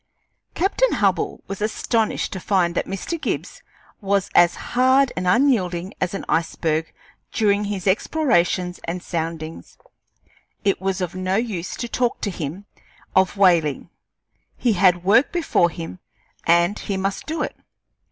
Captain Hubbell was astonished to find that Mr. Gibbs was as hard and unyielding as an iceberg during his explorations and soundings. It was of no use to talk to him of whaling; he had work before him, and he must do it.